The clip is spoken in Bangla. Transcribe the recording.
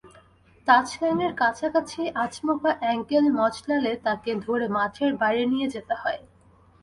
টাচলাইনের কাছাকাছি আচমকা অ্যাঙ্কেল মচকালে তাঁকে ধরে মাঠের বাইরে নিয়ে যেতে হয়।